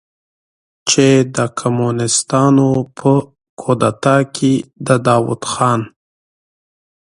چې د کمونستانو په کودتا کې د داؤد خان